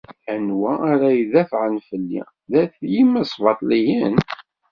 Anwa ara idafɛen fell-i dat yimesbaṭliyen?